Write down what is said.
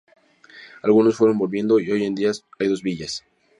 Algunos fueron volviendo y hoy en día hay dos villas.